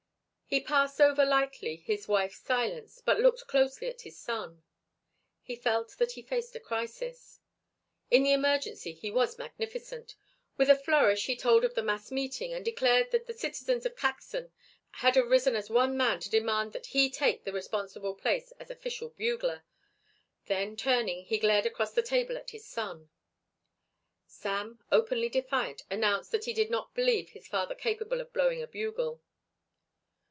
He passed over lightly his wife's silence but looked closely at his son. He felt that he faced a crisis. In the emergency he was magnificent. With a flourish, he told of the mass meeting, and declared that the citizens of Caxton had arisen as one man to demand that he take the responsible place as official bugler. Then, turning, he glared across the table at his son. Sam, openly defiant, announced that he did not believe his father capable of blowing a bugle.